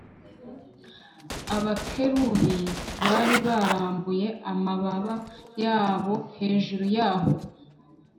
Abakerubi bari barambuye amababa yabo hejuru y aho